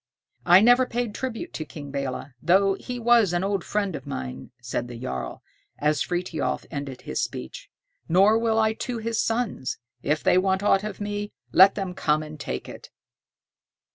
"I never paid tribute to King Belé, though he was an old friend of mine," said the jarl, as Frithiof ended his speech, "nor will I to his sons. If they want aught of me, let them come and take it."